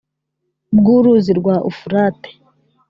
bw uruzi rwa ufurate